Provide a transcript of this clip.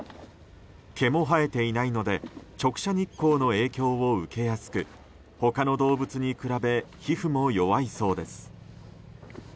毛も生えていないので直射日光の影響を受けやすく他の動物に比べ皮膚も弱いそうです。